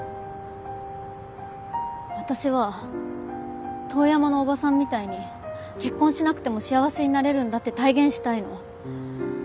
私は遠山のおばさんみたいに結婚しなくても幸せになれるんだって体現したいの。